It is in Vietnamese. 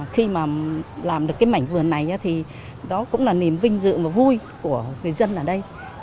khi mà làm được cái mảnh vườn này thì đó cũng là niềm vinh dự và vui của người dân ở đây